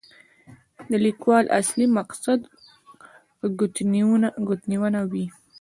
د لیکوال اصلي مقصد ګوتنیونه وي.